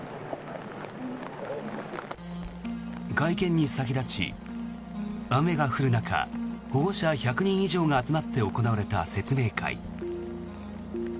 会見に先立ち、雨が降る中保護者１００人以上が集まって行われた説明会。